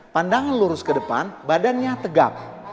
pandangan lurus ke depan badannya tegap